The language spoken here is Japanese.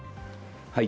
はい。